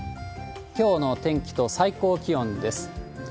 きょうの天気と最高気温です。